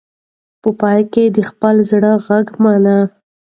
په پای کې د خپل زړه غږ مني.